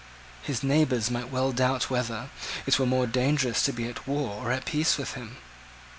His neighbours might well doubt whether it were more dangerous to be at war or at peace with him.